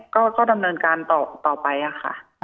ก็ดำเนินการต่อไปค่ะ